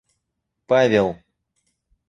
Павел